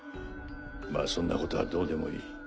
まあそんなことはどうでもいい。